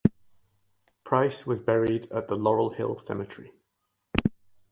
Price was buried at the Laurel Hill Cemetery.